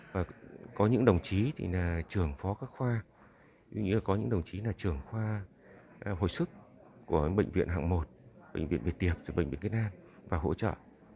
và có những đồng chí là trưởng phó các khoa có những đồng chí là trưởng khoa hồi sức của bệnh viện hạng một bệnh viện việt tiệp rồi bệnh viện việt nam và hỗ trợ